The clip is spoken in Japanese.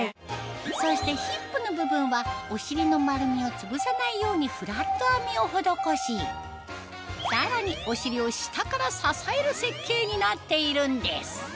そしてヒップの部分はお尻の丸みをつぶさないようにフラット編みを施しさらにお尻を下から支える設計になっているんです